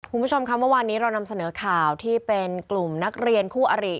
คุณผู้ชมค่ะเมื่อวานนี้เรานำเสนอข่าวที่เป็นกลุ่มนักเรียนคู่อริ